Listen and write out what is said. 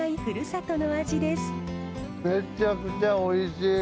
めちゃくちゃおいしい。